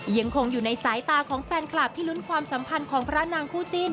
ยังคงอยู่ในสายตาของแฟนคลับที่ลุ้นความสัมพันธ์ของพระนางคู่จิ้น